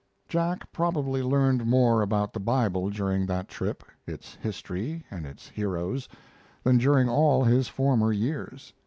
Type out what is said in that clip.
] Jack probably learned more about the Bible during that trip its history and its heroes than during all his former years.